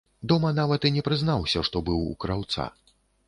Дома нават і не прызнаўся, што быў у краўца.